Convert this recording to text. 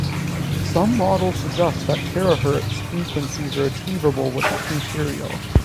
Some models suggest that terahertz frequencies are achievable with this material.